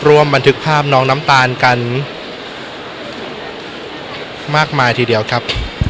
บันทึกภาพน้องน้ำตาลกันมากมายทีเดียวครับ